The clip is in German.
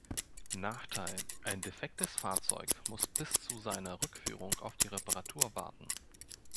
Nachteil: ein defektes Fahrzeug muss bis zu seiner Rückführung auf die Reparatur warten.